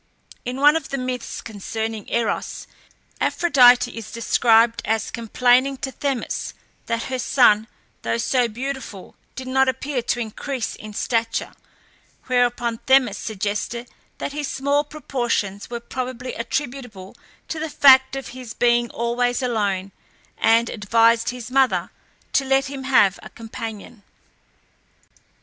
In one of the myths concerning Eros, Aphrodite is described as complaining to Themis, that her son, though so beautiful, did not appear to increase in stature; whereupon Themis suggested that his small proportions were probably attributable to the fact of his being always alone, and advised his mother to let him have a companion.